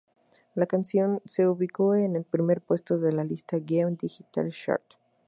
La canción se ubicó en el primer puesto de la lista Gaon Digital Chart.